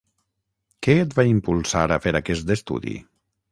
Què et va impulsar a fer aquest estudi?